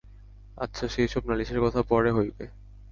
আচ্ছা, সে-সব নালিশের কথা পরে হইবে।